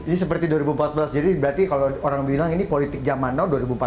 jadi dua ribu empat belas jadi berarti kalau orang bilang ini politik zaman now